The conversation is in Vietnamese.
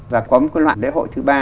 và có một cái loại lễ hội thứ ba